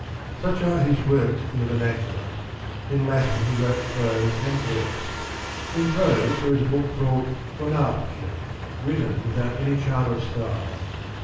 Such are his works in the vernacular. In Latin he wrote prose and verse. In prose there is a book called Monarchia, written without any charm of style.